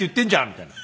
みたいな。